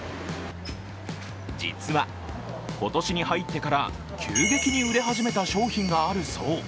実は、今年に入ってから急激に売れ始めた商品があるそう。